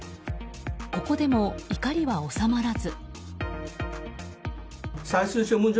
ここでも怒りは収まらず。